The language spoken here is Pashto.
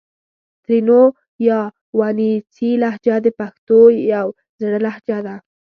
ترینو یا وڼېڅي لهجه د پښتو یو زړه لهجه ده